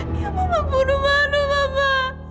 siapa membunuh mano mama